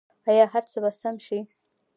آیا هر څه به سم شي؟